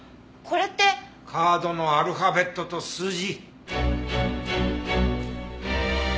カードのアルファベットと数字。